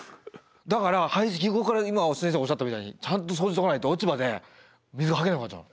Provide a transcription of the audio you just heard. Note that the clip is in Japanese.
だから排水口から今先生おっしゃったみたいにちゃんと掃除しとかないと落ち葉で水がはけなくなっちゃう。